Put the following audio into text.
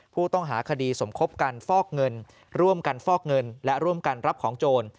ผู้ต้องหาคดีสมคบกันฟอกเงินร่วมกันฟอกเงินและร่วมกันรับของโจร